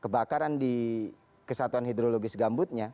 kebakaran di kesatuan hidrologis gambutnya